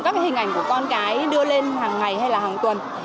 các cái hình ảnh của con cái đưa lên hàng ngày hay là hàng tuần